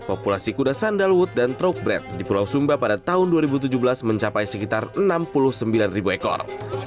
populasi kuda sandalwood dan trock bread di pulau sumba pada tahun dua ribu tujuh belas mencapai sekitar enam puluh sembilan ribu ekor